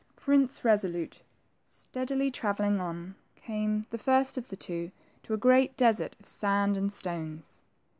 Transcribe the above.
Prince Resolute, steadily travelling on, came, the first of the two, to a great desert of sand and stones.